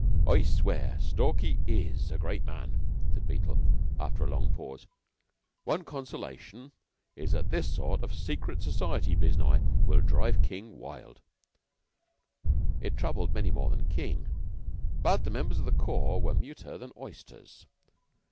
"I swear Stalky is a great man," said Beetle after a long pause. "One consolation is that this sort of secret society biznai will drive King wild." It troubled many more than King, but the members of the corps were muter than oysters.